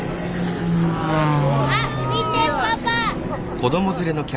あっ見てパパ！